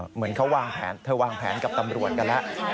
เหมือนเขาวางแผนเธอวางแผนกับตำรวจกันแล้ว